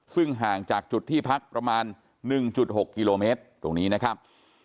ซึ่งห่างจากจุดที่พักประมาณ๑๖กิโลเมตรตรงนี้นะครับ